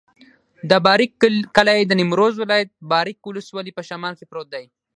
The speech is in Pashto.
د بارک کلی د نیمروز ولایت، بارک ولسوالي په شمال کې پروت دی.